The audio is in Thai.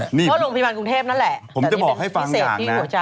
เพราะโรงพยาบาลกรุงเทพฯนั่นแหละผมจะบอกให้ฟังอย่างนะ